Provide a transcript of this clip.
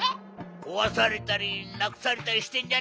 こわされたりなくされたりしてんじゃねえのけ？